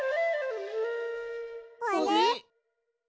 あれ？